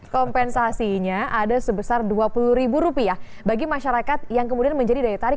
kompensasinya ada sebesar dua puluh ribu rupiah bagi masyarakat yang kemudian menjadi daya tarik